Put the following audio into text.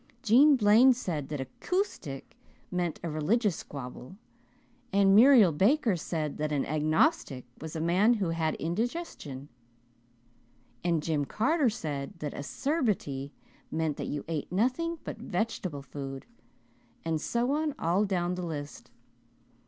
Jean Blane said that 'acoustic' meant 'a religious squabble,' and Muriel Baker said that an 'agnostic' was 'a man who had indigestion,' and Jim Carter said that 'acerbity' meant that 'you ate nothing but vegetable food,' and so on all down the list.